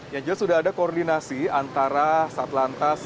ya jel sudah ada koordinasi antara satlantas